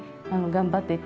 頑張ってね！